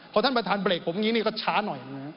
พอท่านประทานเบลกผมนี้ก็ช้าหน่อย